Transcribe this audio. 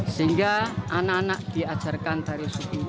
sehingga anak anak diajarkan tari sufi